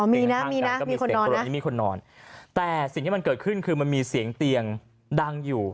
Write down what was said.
มีนะมีคนนอนแต่สิ่งที่มันเกิดขึ้นคือมันมีเสียงเตียงดังอยู่